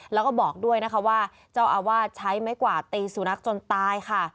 แล้วก็บอกด้วยนะคะว่าเจ้าอาวาสใช้ไม้กวาดตีสุนัขจนตายค่ะ